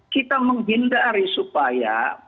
kita menghindari supaya